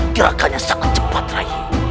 gerakannya sangat cepat rai